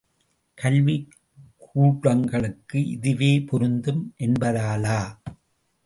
கல்விக்கூடங்களுக்கு இதுவே பொருத்தம் என்பதாலா?